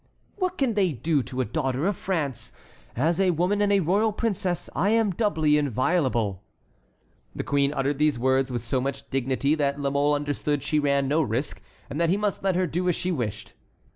"What can they do to a daughter of France? As a woman and a royal princess I am doubly inviolable." The queen uttered these words with so much dignity that La Mole understood she ran no risk, and that he must let her do as she wished.